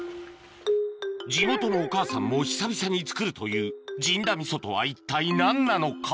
地元のお母さんも久々に作るというとは一体何なのか？